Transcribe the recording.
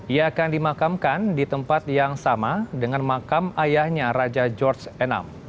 ia akan dimakamkan di tempat yang sama dengan makam ayahnya raja george vi